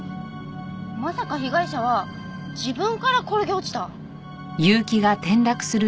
まさか被害者は自分から転げ落ちた？